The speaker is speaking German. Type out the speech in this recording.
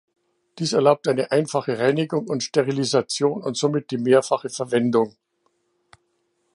Dies erlaubt eine einfache Reinigung und Sterilisation und somit die mehrfache Verwendung.